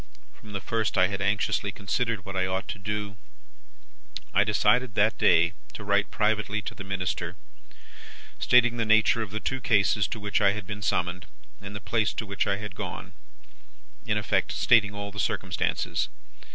From the first, I had anxiously considered what I ought to do. I decided, that day, to write privately to the Minister, stating the nature of the two cases to which I had been summoned, and the place to which I had gone: in effect, stating all the circumstances.